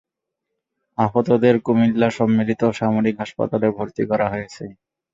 আহতদের কুমিল্লা সম্মিলিত সামরিক হাসপাতালে ভর্তি করা হয়েছে।